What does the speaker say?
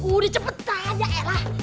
udah cepetan aja eh lah